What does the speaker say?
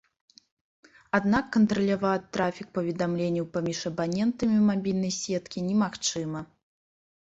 Аднак кантраляваць трафік паведамленняў паміж абанентамі мабільнай сеткі немагчыма.